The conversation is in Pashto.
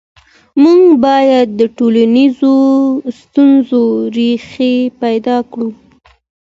موږ باید د ټولنیزو ستونزو ریښې پیدا کړو.